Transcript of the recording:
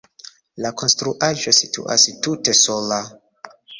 La konstruaĵo situas tute sola.